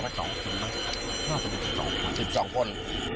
น่าจะเป็น๑๒คน